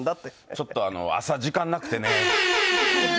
ちょっと朝時間なくてね。